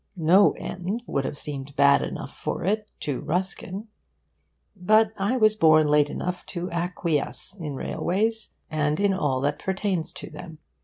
No end would have seemed bad enough for it to Ruskin. But I was born late enough to acquiesce in railways and in all that pertains to them.